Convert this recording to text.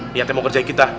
niatnya mau kerjain kita